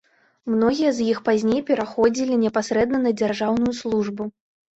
Многія з іх пазней пераходзілі непасрэдна на дзяржаўную службу.